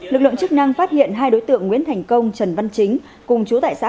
lực lượng chức năng phát hiện hai đối tượng nguyễn thành công trần văn chính cùng chú tại xã